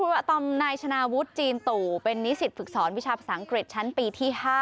คุณอาตอมนายชนะวุฒิจีนตู่เป็นนิสิตฝึกสอนวิชาภาษาอังกฤษชั้นปีที่๕